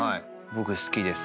僕好きです。